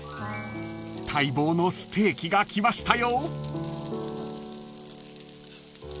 ［待望のステーキが来ましたよ］